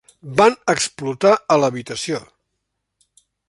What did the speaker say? Van explotar a l'habitació.